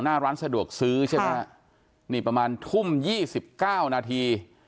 หน้าร้านสะดวกซื้อใช่ป่ะค่ะนี่ประมาณทุ่มยี่สิบเก้านาที